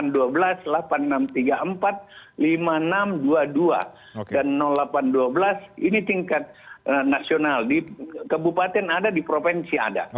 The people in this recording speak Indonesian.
dan delapan ratus dua belas ini tingkat nasional kebupaten ada di provinsi ada